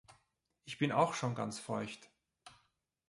Ich bin auch schon ganz feucht.